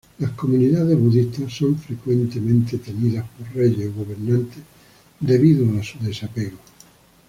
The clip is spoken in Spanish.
Las comunidades budistas son frecuentemente temidas por reyes o gobernantes debido a su desapego.